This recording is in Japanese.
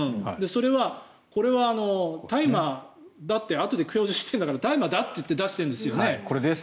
これは大麻だってあとで供述してるんだから大麻だって言って出してるんですよね。